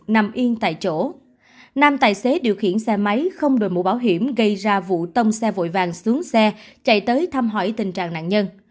nam tài xế điều khiển xe máy không đổi mũ bảo hiểm gây ra vụ tông xe vội vàng xuống xe chạy tới thăm hỏi tình trạng nạn nhân